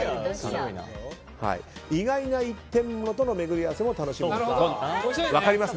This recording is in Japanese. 意外な一点物との巡り合わせも楽しみの一つだと思います。